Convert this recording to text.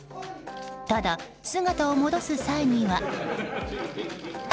ただ、姿を戻す際には。